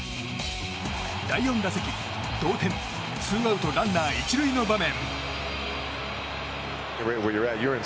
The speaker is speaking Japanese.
第４打席、同点ツーアウトランナー１塁の場面。